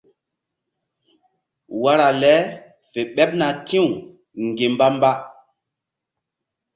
Wara le fe ɓeɓna ti̧w ŋgi̧mba-mba.